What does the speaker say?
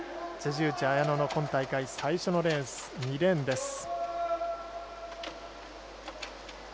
辻内彩野の今大会最初のレース２レーンです。